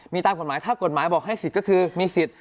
มีตามกฎหมายถ้ากฎหมายบอกให้สิทธิ์ก็คือมีสิทธิ์